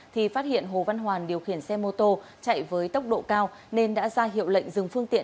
thì phát hiện hồ văn hoàn điều khiển xe mô tô chạy với tốc độ cao nên đã ra hiệu lệnh dừng phương tiện